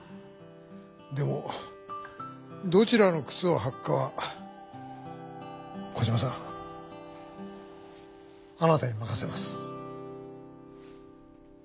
でもどちらのくつをはくかはコジマさんあなたに任せます。